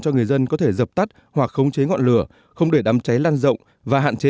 cho người dân có thể dập tắt hoặc khống chế ngọn lửa không để đám cháy lan rộng và hạn chế